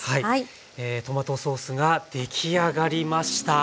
トマトソースが出来上がりました。